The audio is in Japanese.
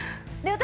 私